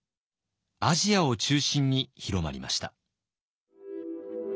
アジアを中心に広まりました。